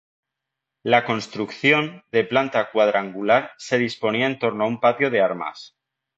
La construcción, de planta cuadrangular, se disponía en torno a un patio de armas.